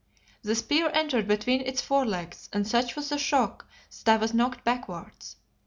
The spear entered between its forelegs and such was the shock that I was knocked backwards.